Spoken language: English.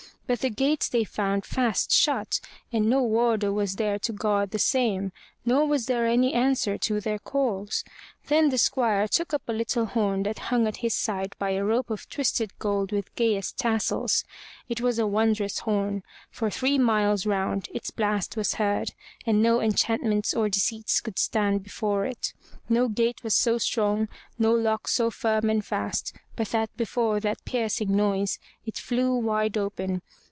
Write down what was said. But the gates they found fast shut and no warder there to guard the same, nor was there any answer to their calls. Then the squire took up a little horn that hung at his side by a rope of twisted gold with gayest tassels. It was a wondrous horn — for three miles round its blast was heard, and no enchantments or deceits could stand before it. No gate was so strong, no lock so firm and fast, but that before that piercing noise it flew wide open.